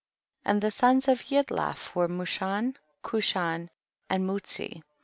And the sons of Yidlaf were Mushan, Cushan and Mulzi. 26.